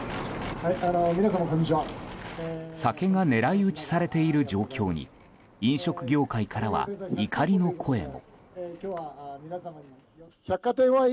酒が狙い撃ちされている状況に飲食業界からは、怒りの声も。